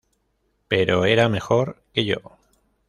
Pero era mejor que yo.